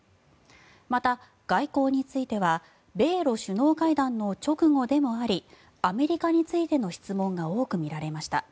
また、外交については米ロ首脳会談の直後でもありアメリカについての質問が多く見られました。